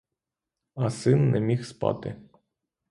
А син не міг спати.